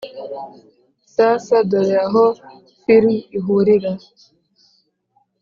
sasa dore aho film ihurira